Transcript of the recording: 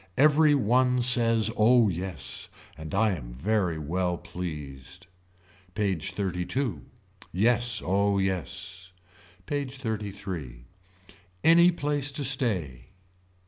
Every one says oh yes. And I am very well pleased. PAGE XXXII. Yes oh yes. PAGE XXXIII. Any place to stay.